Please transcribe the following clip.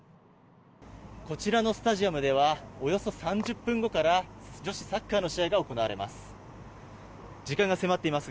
こちらのスタジアムではおよそ３０分後から女子サッカーの試合が行われます。